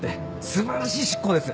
素晴らしい執行です。